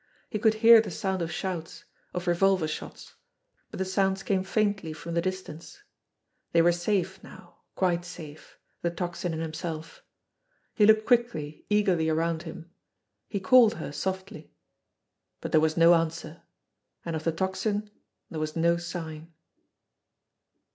He could hear the sound of shouts, of revolver shots, but the sounds came faintly from the dis tance. They were safe now, quite safe, the Tocsin and himself. He looked quickly, eagerly around him. He called her softly. But there was no answer and of the Tocsin there was no sign.